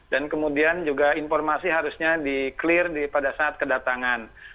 dan kemudian juga informasi harusnya di clear pada saat kedatangan